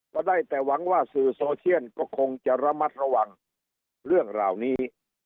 ก็ได้แต่หวังว่าสื่อโซเชียลก็คงจะระมัดระวังเรื่องเหล่านี้